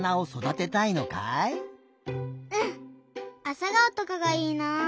あさがおとかがいいなあ。